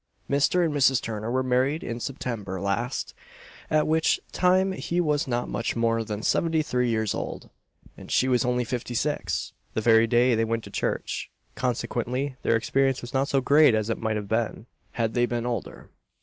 Mr. and Mrs. Turner were married in September last, at which time he was not much more than seventy three years old; and she was only fifty six, the very day they went to church; consequently their experience was not so great as it might have been, had they been older.